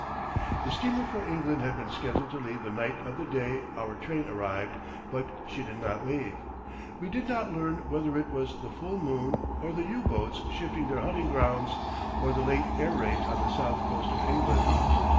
The steamer for England had been scheduled to leave the night of the day our train arrived, but she did not leave. We did not learn whether it was the full moon or the U boats shifting their hunting grounds or the late air raids on the south coast of England.